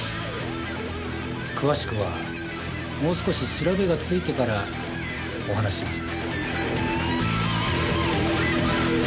詳しくはもう少し調べがついてからお話しします。